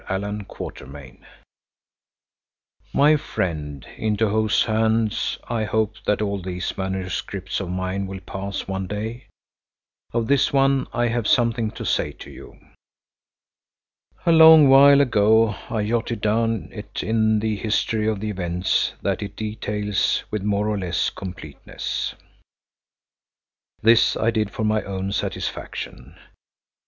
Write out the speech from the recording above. ALLAN QUATERMAIN My friend, into whose hands I hope that all these manuscripts of mine will pass one day, of this one I have something to say to you. A long while ago I jotted down in it the history of the events that it details with more or less completeness. This I did for my own satisfaction.